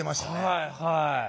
はいはい。